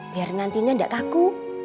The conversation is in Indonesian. biar nantinya gak kaku